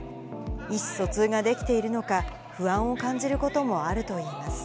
意思疎通ができているのか、不安を感じることもあるといいま